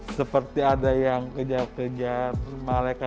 seperti ada yang kejar kejar